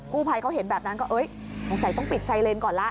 ผู้ภัยเขาเห็นแบบนั้นก็เอ้ยสงสัยต้องปิดไซเลนก่อนละ